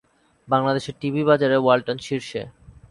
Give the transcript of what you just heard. বাংলাদেশের টিভি বাজারে ওয়ালটন শীর্ষে।